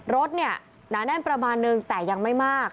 รถหนาแน่นประมาณหนึ่งแต่ยังไม่มาก